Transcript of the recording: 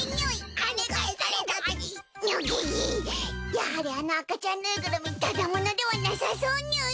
やはりあの赤ちゃんぬいぐるみただ者ではなさそうにゅい！